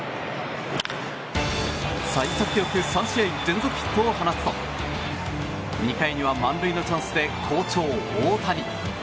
幸先よく３試合連続ヒットを放つと２回には満塁のチャンスで好調、大谷。